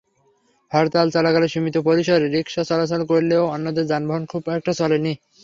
হরতাল চলাকালে সীমিত পরিসরে রিকশা চলাচল করলেও অন্যান্য যানবাহন খুব একটা চলেনি।